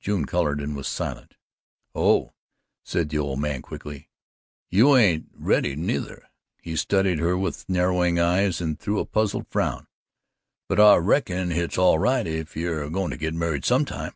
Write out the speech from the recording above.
June coloured and was silent. "Oh," said the old man quickly, "you ain't ready nuther," he studied her with narrowing eyes and through a puzzled frown "but I reckon hit's all right, if you air goin' to git married some time."